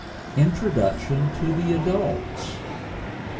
INTRODUCTION TO THE ADULTS.